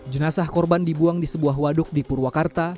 jenazah korban dibuang di sebuah waduk di purwakarta